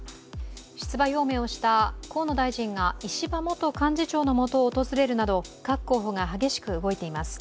出馬表明をした河野大臣が石破元幹事長のもとを訪れるなど各候補が激しく動いています。